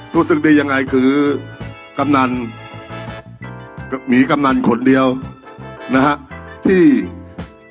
รู้สึกได้ยังไงคือกำนันมีกำนันคนเดียวนะฮะที่